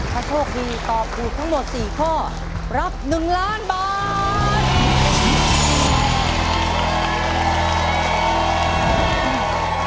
ถ้าโชคดีตอบถูกทั้งหมด๔ข้อรับ๑ล้านบาท